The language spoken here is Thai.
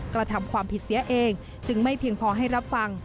กระทำความผิดเสียเองจึงไม่เพียงพอให้รับฟัง